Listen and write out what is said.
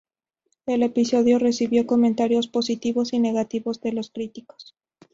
El episodio recibió comentarios positivos y negativos de los críticos.